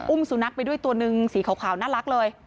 สุนัขไปด้วยตัวหนึ่งสีขาวน่ารักเลย